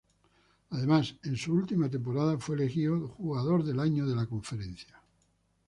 Además, en su última temporada fue elegido Jugador del Año de la conferencia.